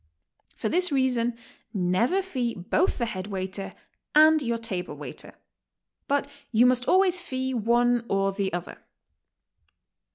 For this reason, never fee both the head waiter and your table waiter. But you must always fee one or the Other.